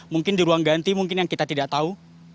mungkin di ruang ganti mungkin yang kita tidak tahu